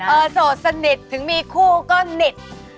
โสดสนิทถึงมีคู่ก็นิด